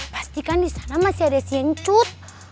pasti kan di sana masih ada siancut